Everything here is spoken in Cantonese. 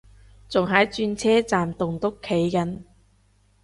仲喺轉車站棟篤企緊